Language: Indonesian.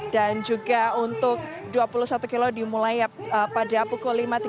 dan juga untuk dua puluh satu km dimulai pada pukul lima tiga puluh